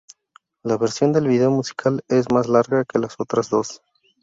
La versión del video musical es más larga que las otras dos.